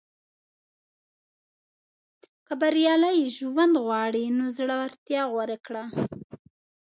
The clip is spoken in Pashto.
• که بریالی ژوند غواړې، نو زړورتیا غوره کړه.